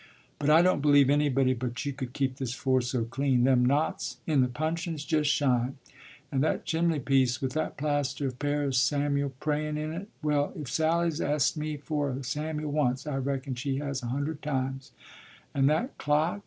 But I don't believe anybody but you could keep this floor so clean. Them knots in the puncheons just shine! And that chimbly piece with that plaster of Paris Samuel prayin' in it; well, if Sally's as't me for a Samuel once I reckon she has a hundred times; and that clock!